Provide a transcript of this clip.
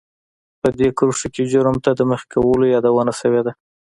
په دې کرښو کې جرم ته د مخې کولو يادونه شوې ده.